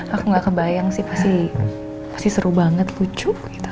aku gak kebayang sih pasti seru banget lucu gitu